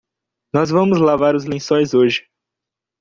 Nós vamos lavar os lençóis hoje